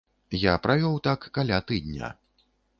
Я правёў так каля тыдня.